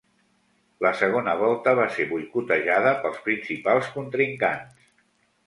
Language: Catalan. La segona volta va ser boicotejada pels principals contrincants.